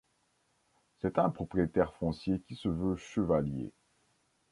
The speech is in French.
C'est un propriétaire foncier qui se veut chevalier.